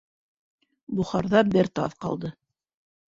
Бохарҙа бер таҙ ҡалды.